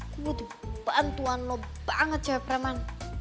gue butuh bantuan lo banget cewek preman